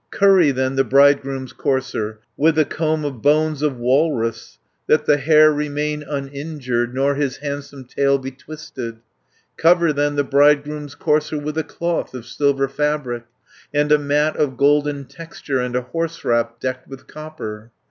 "Curry then the bridegroom's courser, With the comb of bones of walrus, That the hair remain uninjured, Nor his handsome tail be twisted; 110 Cover then the bridegroom's courser With a cloth of silver fabric, And a mat of golden texture, And a horse wrap decked with copper.